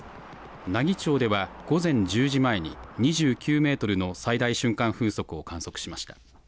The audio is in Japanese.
奈義町では午前１０時前に２９メートルの最大瞬間風速を観測しました。